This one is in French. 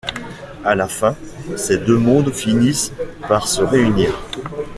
À la fin, ces deux mondes finissent par se réunir.